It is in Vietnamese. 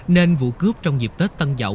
nên vụ cướp trong dịp tết tân dậu